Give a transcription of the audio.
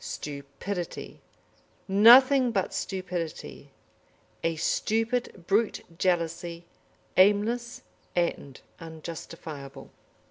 Stupidity nothing but stupidity, a stupid brute jealousy, aimless and unjustifiable.